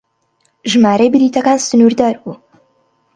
ژمارەی بلیتەکان سنوردار بوو.